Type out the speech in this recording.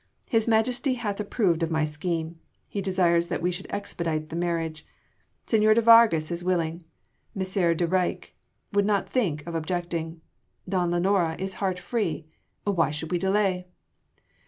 His Majesty hath approved of my scheme: he desires that we should expedite the marriage. Señor de Vargas is willing, Messire van Rycke would not think of objecting, donna Lenora is heart free. Why should we delay?"